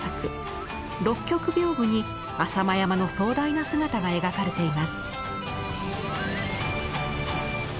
六曲屏風に浅間山の壮大な姿が描かれています。